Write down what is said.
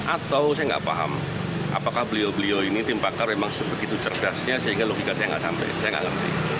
atau saya nggak paham apakah beliau beliau ini tim pakar memang sebegitu cerdasnya sehingga logika saya nggak sampai saya nggak ngerti